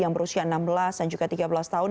yang berusia enam belas dan juga tiga belas tahun